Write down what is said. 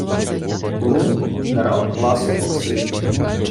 Корунд – мінерал класу оксидів